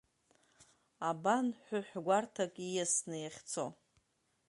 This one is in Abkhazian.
Абан ҳәыҳә гәарҭак ииасны иахьцо.